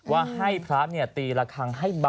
ว่าให้พระเนี่ยตีระครังหลงเร็วให้เบา